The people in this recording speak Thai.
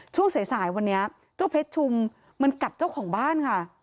ช่วงสายสายวันนี้เจ้าเพชรชุมมันกัดเจ้าของบ้านค่ะ